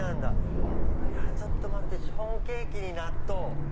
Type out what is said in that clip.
ちょっと待ってシフォンケーキに納豆！